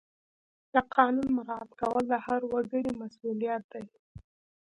د قانون مراعات کول د هر وګړي مسؤلیت دی.